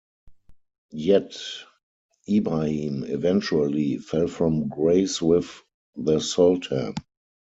Yet Ibrahim eventually fell from grace with the Sultan.